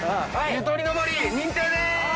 ゆとりの森認定です。